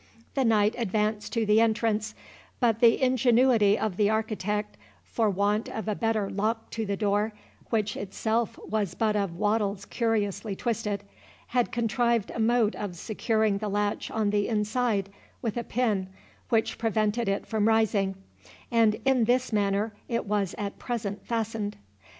The knight advanced to the entrance; but the ingenuity of the architect, for want of a better lock to the door, which itself was but of wattles curiously twisted, had contrived a mode of securing the latch on the inside with a pin, which prevented it from rising; and in this manner it was at present fastened.